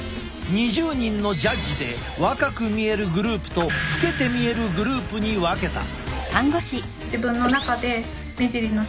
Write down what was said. ２０人のジャッジで若く見えるグループと老けて見えるグループに分けた。